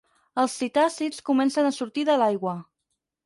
Els psitàcids comencen a sortir de l'aigua.